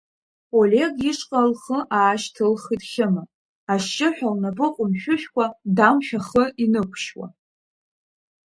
Олег ишҟа лхы аашьҭылхит Хьыма, ашьшьыҳәа лнапы ҟәымшәышәқәа Дамшә ахы инықәшьуа.